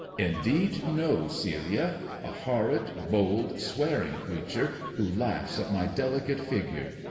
" Indeed no, Celia ! A horrid, bold, swearing creature, who laughs at my delicate figure.